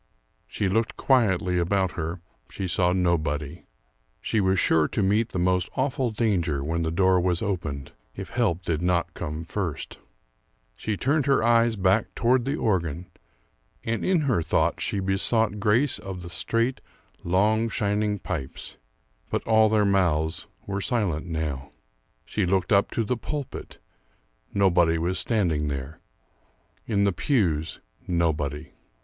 She looked quietly about her; she saw nobody. She was sure to meet the most awful danger when the door was opened, if help did not come first. She turned her eyes back toward the organ, and in her thoughts she besought grace of the straight, long, shining pipes. But all their mouths were silent now. She looked up to the pulpit; nobody was standing there. In the pews nobody.